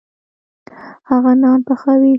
هغه نان پخوي.